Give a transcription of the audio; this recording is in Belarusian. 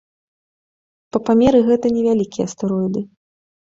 Па памеры гэта невялікія астэроіды.